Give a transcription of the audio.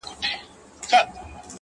o زه نو بيا څنگه مخ در واړومه ـ